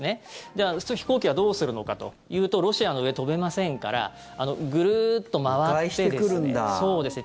じゃあ、そうすると飛行機はどうするのかというとロシアの上、飛べませんからグルーッと回ってくるんです。